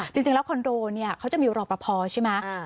จริงแล้วคอนโดเนี่ยเขาจะมีรอปภใช่ไหม